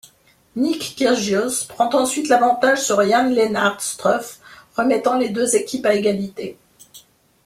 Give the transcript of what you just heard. Nick Kyrgios prend ensuite l'avantage sur Jan-Lennard Struff, remettant les deux équipes à égalité.